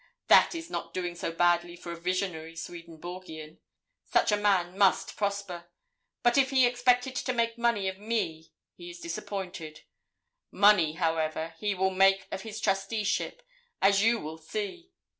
That is not doing so badly for a visionary Swedenborgian. Such a man must prosper. But if he expected to make money of me, he is disappointed. Money, however, he will make of his trusteeship, as you will see.